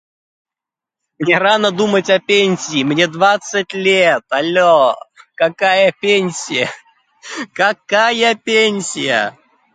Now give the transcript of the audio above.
Мне рано думать о пенсии, мне двадцать лет! Алё? Какая пенсия? Какая пенсия?!